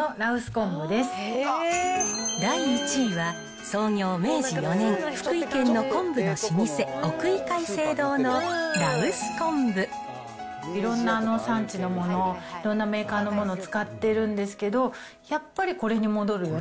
第１位は、創業明治４年、福井県の昆布の老舗、奥井海正堂の羅臼昆布。いろんな産地のもの、いろんなメーカーのものを使ってるんですけど、やっぱりこれに戻るよね。